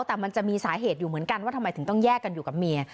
แต่มันจะมีสาเหตุอยู่เหมือนกันว่าทำไมถึงต้องแยกกันอยู่กับเมีย